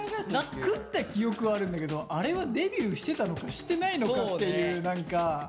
食った記憶はあるんだけどあれはデビューしてたのかしてないのかっていう何か。